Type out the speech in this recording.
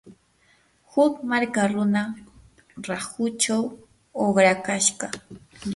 huk marka runa rahuchaw uqrakashqa.